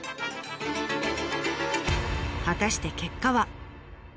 果たして結果は。